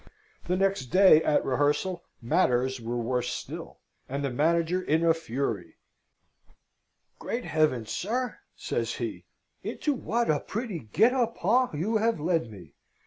The next day, at rehearsal, matters were worse still, and the manager in a fury. "Great heavens, sir!" says he, "into what a pretty guet a pens have you led me!